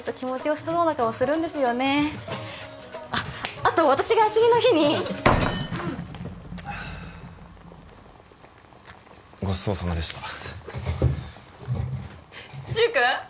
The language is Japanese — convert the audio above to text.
あと私が休みの日にごちそうさまでした柊君？